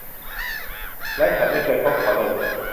และฉันไม่เคยพบเขาเลย